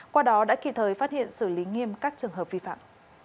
qua đó đã kịp thời phát hiện xử lý nghiêm các trường hợp vi phạm